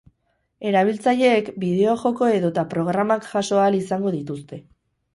Erabiltzaileek bideo-joko edota programak jaso ahal izango dituzte.